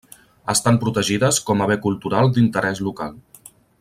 Estan protegides com a bé cultural d'interès local.